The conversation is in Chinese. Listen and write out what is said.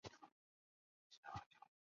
却又无法说出口